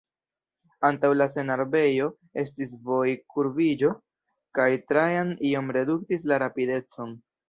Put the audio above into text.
Antaŭ la senarbejo estis vojkurbiĝo kaj Trajan iom reduktis la rapidecon.